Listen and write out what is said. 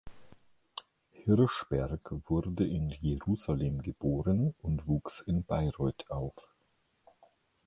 Hirschberg wurde in Jerusalem geboren und wuchs in Bayreuth auf.